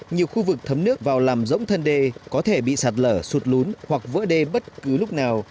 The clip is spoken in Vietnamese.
nhiều khu vực thấm nước vào làm rỗng thân đê có thể bị sạt lở sụt lún hoặc vỡ đê bất cứ lúc nào